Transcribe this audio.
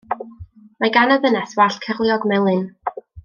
Mae gan y ddynes wallt cyrliog melyn.